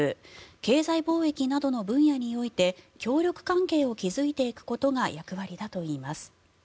経済貿易などの分野において協力関係を築いていくことが役割だといいます。